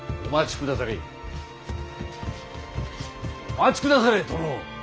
お待ちくだされ殿！